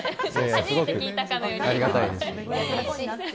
初めて聞いたかのように。